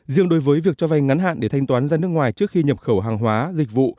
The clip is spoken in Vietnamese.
riêng đối với việc cho vay ngắn hạn để thanh toán ra nước ngoài trước khi nhập khẩu hàng hóa dịch vụ